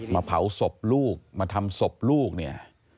เผาศพลูกมาทำศพลูกเนี่ย